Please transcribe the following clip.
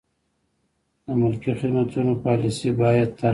د ملکي خدمتونو پالیسي باید طرحه شي.